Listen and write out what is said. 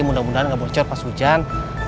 mudah mudahan nggak bocor pas hujan